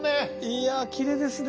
いやきれいですね。